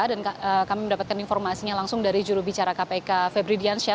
dan kami mendapatkan informasinya langsung dari jurubicara kpk febri diansyah